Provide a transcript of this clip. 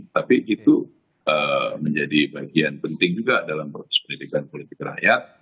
tapi itu menjadi bagian penting juga dalam proses pendidikan politik rakyat